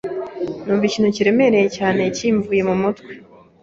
numva ikintu kiremereye cyane kimvuye ku mutwe